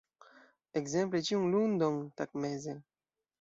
Ekzemple ĉiun lundon tagmeze.